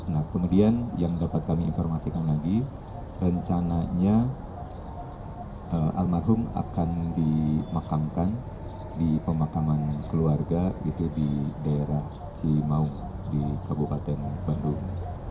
nah kemudian yang dapat kami informasikan lagi rencananya almarhum akan dimakamkan di pemakaman keluarga di daerah cimaung di kabupaten bandung